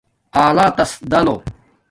آلاتس درلݸ